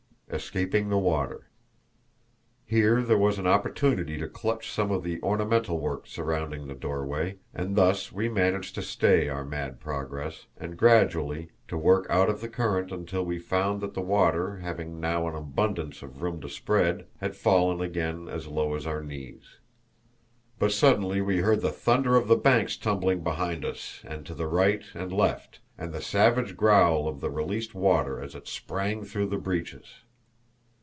Escaping the Water. Here there was an opportunity to clutch some of the ornamental work surrounding the doorway, and thus we managed to stay our mad progress, and gradually to work out of the current until we found that the water, having now an abundance of room to spread, had fallen again as low as our knees. But suddenly we heard the thunder of the banks tumbling behind us, and to the right and left, and the savage growl of the released water as it sprang through the breaches.